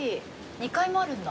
２階もあるんだ。